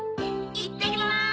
いってきます！